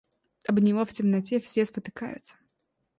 Об него в темноте все спотыкаются.